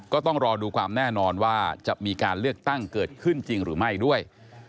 ก็ต้องรอดูความแน่นอนว่าจะมีการเลือกตั้งเกิดขึ้นจริงหรือไม่ด้วย